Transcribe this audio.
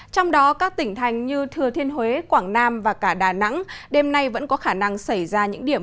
trong đó các tỉnh thành như thừa thiên huế quảng nam và cả đà nẵng đêm nay vẫn có khả năng xảy ra những điểm